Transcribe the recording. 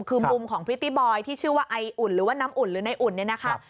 คือมุมของพริตตี้บอยที่ชื่อว่าไออุ่นหรือว่าน้ำอุ่นหรือในอุ่นเนี่ยนะคะ